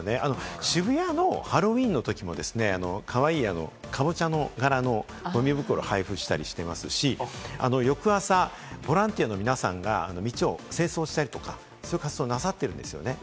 渋谷のハロウィーンのときもですね、かわいいカボチャの柄のゴミ袋を配布したりしてますし、翌朝、ボランティアの皆さんが道を清掃したりとかそういう活動をなさってるんですよね。